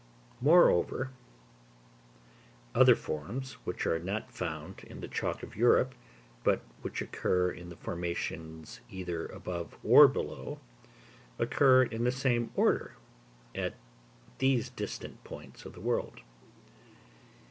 Moreover, other forms, which are not found in the Chalk of Europe, but which occur in the formations either above or below, occur in the same order at these distant points of the world.